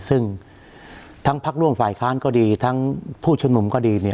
ซึ่งทั้งพักร่วมฝ่ายค้านก็ดีทั้งผู้ชุมนุมก็ดีเนี่ย